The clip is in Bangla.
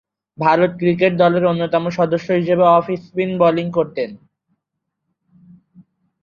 ভারত ক্রিকেট দলের অন্যতম সদস্য হিসেবে অফ স্পিন বোলিং করতেন।